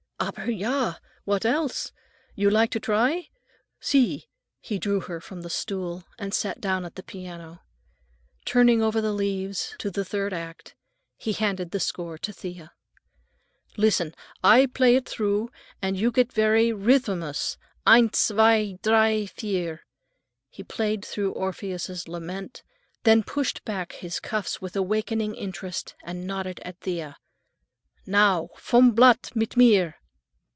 "Aber ja! What else? You like to try? See." He drew her from the stool and sat down at the piano. Turning over the leaves to the third act, he handed the score to Thea. "Listen, I play it through and you get the rhythmus. Eins, zwei, drei, vier." He played through Orpheus' lament, then pushed back his cuffs with awakening interest and nodded at Thea. "Now, vom blatt, mit mir."